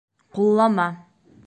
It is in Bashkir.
Ҡуллама